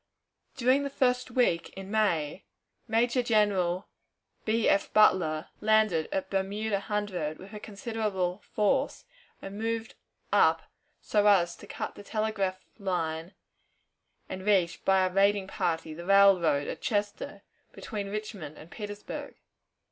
During the first week in May, Major General B. F. Butler landed at Bermuda Hundred with a considerable force, and moved up so as to cut the telegraph line and reach by a raiding party the railroad at Chester, between Richmond and Petersburg.